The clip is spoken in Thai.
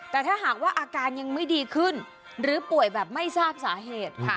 แต่ถ้าหากว่าอาการยังไม่ดีขึ้นหรือป่วยแบบไม่ทราบสาเหตุค่ะ